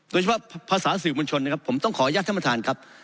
โดยเฉพาะภาษาสื่อมวลชนนะครับผมต้องขออนุญาตท่านประธานครับ